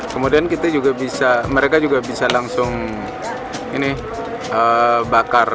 kemudian kita juga bisa mereka juga bisa langsung ini bakar